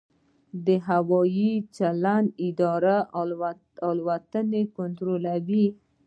د هوايي چلند اداره الوتنې کنټرولوي